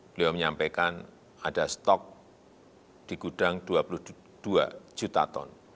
beliau menyampaikan ada stok di gudang dua puluh dua juta ton